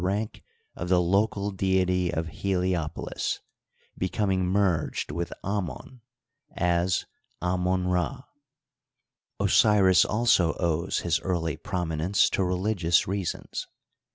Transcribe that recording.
29 rank of the local deity of Heliopolis, becoming merged with Anion as Amon^Rd, Osiris also owes his early prominence to religious reasons.